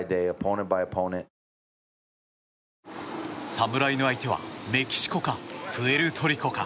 侍の相手はメキシコかプエルトリコか。